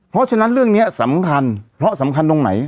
เพราะฉะนั้นเรื่องนี้สำคัญเพราะสำคัญตรงไหน